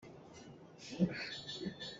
Vur a tlak hnu lawngah nitlang kan hlam tawn.